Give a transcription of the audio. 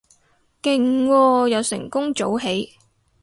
勁喎，又成功早起